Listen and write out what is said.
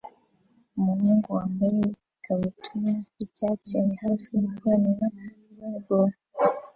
Umuhungu wambaye ikabutura yicyatsi ari hafi gukorera volley ball